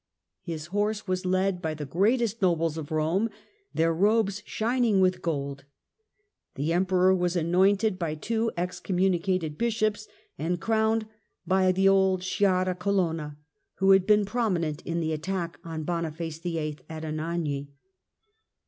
His horse was led by the greatest nobles of Kome, their robes shining with gold. The Emperor was anointed by two excommunicated Bishops and crowned by the old Sciarra Colonna, who had been prominent in the attack on Boniface VIII. at Anagni.